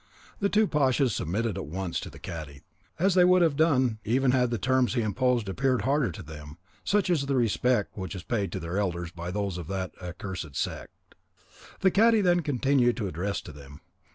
The two pashas submitted at once to the cadi, as they would have done even had the terms he imposed appeared harder to them, such is the respect which is paid to their elders by those of that accursed sect. The cadi then continued his address to them.